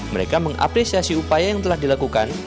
mereka mengapresiasi upaya yang telah dilakukan